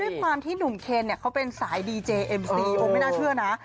ด้วยความที่หนุ่มเคนเนี่ยเขาเป็นสายดีเจเอ็มซีโอ้ไม่น่าเชื่อนะ